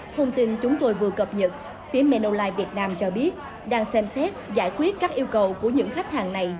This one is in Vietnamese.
thông tin chúng tôi vừa cập nhật phía manolai việt nam cho biết đang xem xét giải quyết các yêu cầu của những khách hàng này